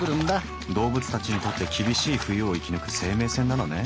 動物たちにとって厳しい冬を生き抜く生命線なのね。